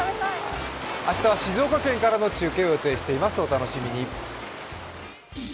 明日は静岡県からの中継を予定しています、お楽しみに。